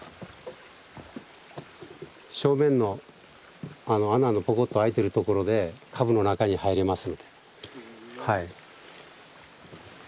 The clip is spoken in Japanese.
正面の穴のポコッと開いてるところで株の中に入れます。